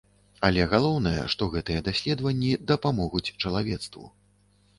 Але галоўнае, што гэтыя даследаванні дапамогуць чалавецтву.